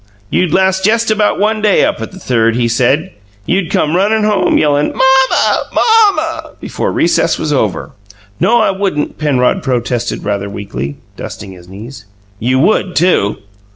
"You'd last jest about one day up at the Third!" he said. "You'd come runnin' home, yellin' 'MOM MUH, MOM muh,' before recess was over!" "No, I wouldn't," Penrod protested rather weakly, dusting his knees. "You would, too!"